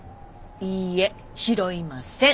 いいえ拾いません！